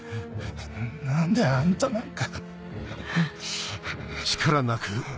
何であんたなんか。